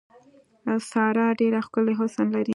ساره ډېر ښکلی حسن لري.